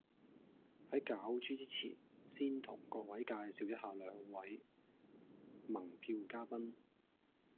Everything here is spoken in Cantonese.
喺攪珠之前先同各位介紹一下兩位盟票嘉賓